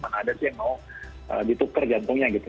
mana ada sih yang mau ditukar jantungnya gitu